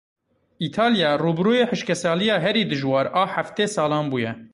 Îtalya rûbirûyê hişkesaliya herî dijwar a heftê salan bûye.